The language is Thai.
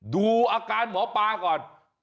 ดูอาการหมอปลาก่อน